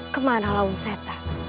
kemana laung seta